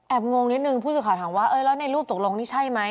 งงนิดนึงผู้สื่อข่าวถามว่าเออแล้วในรูปตกลงนี่ใช่ไหม